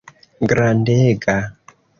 Grandega.